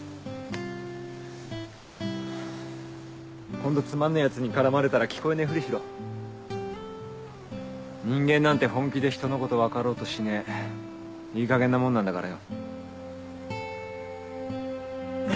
今度つまんねえヤツに絡まれたら人間なんて本気でひとのこと分かろうとしねえいいかげんなもんなんだからよ